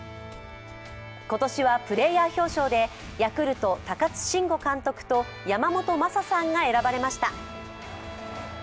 今年はプレーヤー表彰でヤクルト・高津臣吾監督と山本昌さんが選ばれました。